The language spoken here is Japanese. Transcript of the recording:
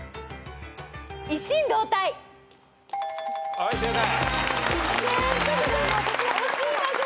はい正解。